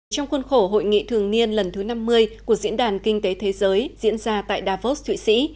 trong khuôn khổ hội nghị thường niên lần thứ năm mươi của diễn đàn kinh tế thế giới diễn ra tại davos thụy sĩ